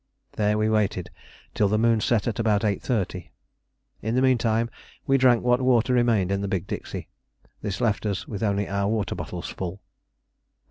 There we waited till the moon set at about 8.30. In the meantime we drank what water remained in the big dixie. This left us with only our water bottles full.